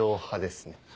派ですね。